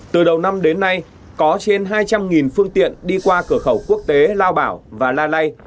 từ đầu năm đến nay có trên hai trăm linh phương tiện đi qua cửa khẩu quốc tế lao bảo và la lây